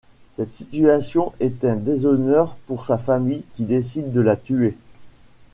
Cette situation est un déshonneur pour sa famille, qui décide de la tuer.